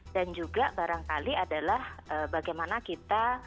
juga barangkali adalah bagaimana kita